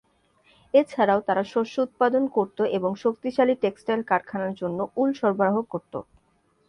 এছাড়াও তারা শস্য উৎপাদন করত এবং শক্তিশালী টেক্সটাইল কারখানার জন্য উল সরবরাহ করত।